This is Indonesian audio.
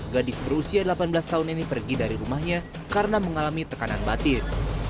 gadis berusia delapan belas tahun ini pergi dari rumahnya karena mengalami tekanan batin